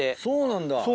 そうなんだ。